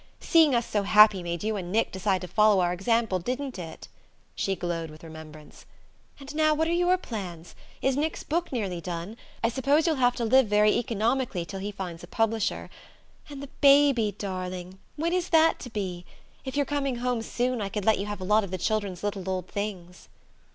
Seeing us so happy made you and Nick decide to follow our example, didn't it?" She glowed with the remembrance. "And now, what are your plans? Is Nick's book nearly done? I suppose you'll have to live very economically till he finds a publisher. And the baby, darling when is that to be? If you're coming home soon I could let you have a lot of the children's little old things."